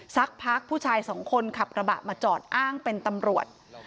สักพักผู้ชายสองคนขับกระบะมาจอดอ้างเป็นตำรวจ